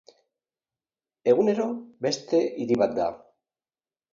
Egunero beste hiri bat da.